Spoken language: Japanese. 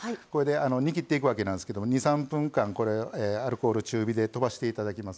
煮きっていくわけなんですけど２３分間、アルコール中火でとばしていただきます。